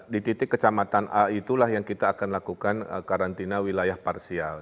di titik kecamatan a itulah yang kita akan lakukan karantina wilayah parsial